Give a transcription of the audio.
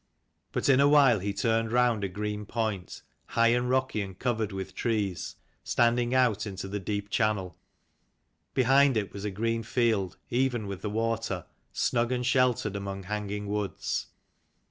But in a while he turned round a green point, high and rocky and covered with trees, standing out into the deep channel. Behind it was a green field, even with the water, snug and sheltered among hanging woods.